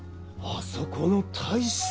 あそこの大将？